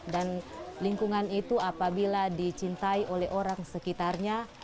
dan lingkungan itu apabila dicintai oleh orang sekitarnya